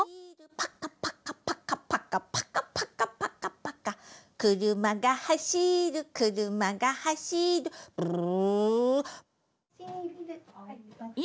「パカパカパカパカパカパカパカパカ」「くるまがはしるくるまがはしる」「ブルルル」